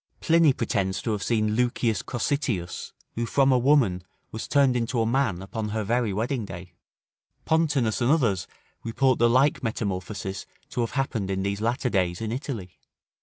Pliny pretends to have seen Lucius Cossitius, who from a woman was turned into a man upon her very wedding day. Pontanus and others report the like metamorphosis to have happened in these latter days in Italy.